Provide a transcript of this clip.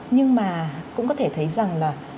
nhưng mà cũng có thể thấy rằng là